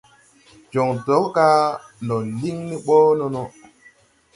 Jɔŋ dɔga ndɔ liŋ ni ɓɔ nono.